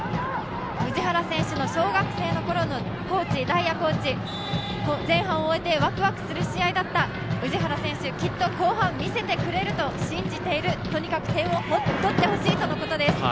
氏原選手の小学生のころの大也コーチ、前半を終えてわくわくするする気持ちだったきっと後半、見せてくれと信じている、とにかく点を取ってほしいということです。